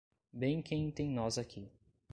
Bem quem tem nós aqui?